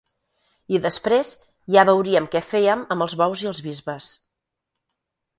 I després, ja veuríem què fèiem amb els bous i els bisbes.